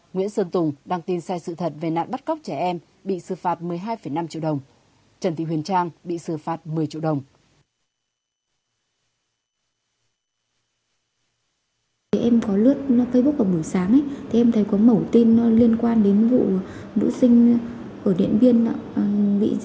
nguyễn sơn tùng đang tin sai sự thật về nạn bắt cóc trẻ em bị xử phạt một mươi hai năm triệu đồng